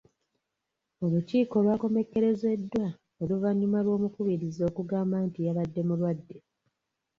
Olukiiko lwakomekkerezeddwa oluvannyuma lw'omukubiriza okugamba nti yabadde mulwadde.